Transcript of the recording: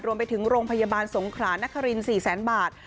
รวมไปถึงโรงพยาบาลสงขระนคริน๔๐๐๐๐๐บาท